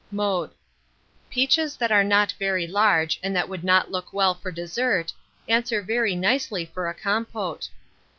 Mode. Peaches that are not very large, and that would not look well for dessert, answer very nicely for a compôte.